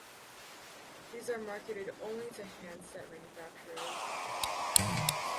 These are marketed only to handset manufacturers.